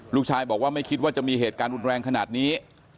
ลูกชายบอกว่าไม่คิดว่าจะมีเหตุการณ์รุนแรงขนาดนี้